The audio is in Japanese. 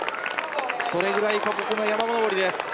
それぐらい過酷な山登りです。